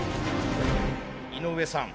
井上さん